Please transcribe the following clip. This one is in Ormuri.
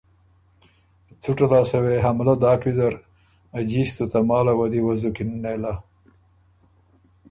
څُټه لاسته وې حملۀ داک ویزر، جیستُو تماله وه دی وزُکِن نېله